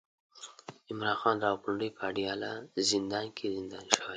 عمران خان د راولپنډۍ په اډياله زندان کې زنداني شوی دی